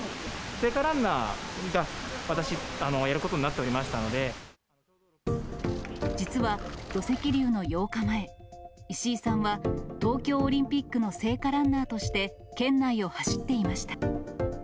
聖火ランナーが私、やることにな実は、土石流の８日前、石井さんは東京オリンピックの聖火ランナーとして、県内を走っていました。